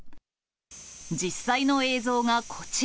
実際の映像がこちら。